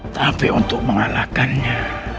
tapi untuk mengalahkannya